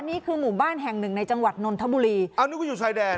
นี่คือหมู่บ้านแห่งหนึ่งในจังหวัดนนทบุรีอันนี้ก็อยู่ชายแดน